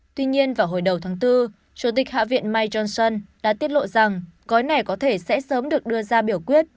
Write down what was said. tuy nhiên vào hồi đầu tháng bốn chủ tịch hạ viện mike johnson đã tiết lộ rằng gói này có thể sẽ sớm được đưa ra biểu quyết